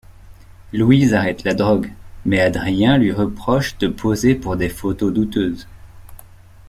Louise arrête la drogue, mais Adrien lui reproche de poser pour des photos douteuses.